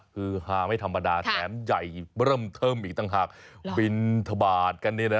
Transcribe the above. คือฮาไม่ธรรมดาแถมใหญ่เริ่มเทิมอีกต่างหากบินทบาทกันเนี่ยนะ